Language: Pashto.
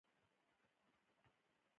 ځوانان هم په مفاهیمو پوهیږي.